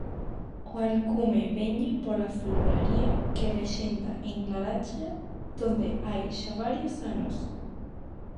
O alcume vénlle pola floraría que rexenta en Laracha dende hai xa varios anos.